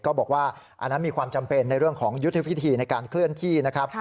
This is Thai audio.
ก็บอกว่าอันนั้นมีความจำเป็นในเรื่องของยุทธวิธีในการเคลื่อนที่นะครับ